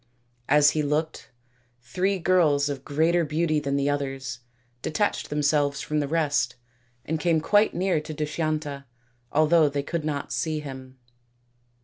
As he looked, three girls of greater beauty than the others detached themselves from the rest and came quite near to Dushyanta, although they could not see him.